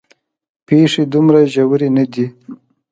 پېښې دومره ژورې نه دي.